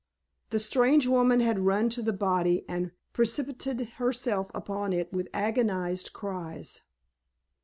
The strange woman had run to the body and precipitated herself upon it with agonized cries.